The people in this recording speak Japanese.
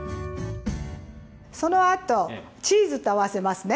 そのあとチーズと合わせますね。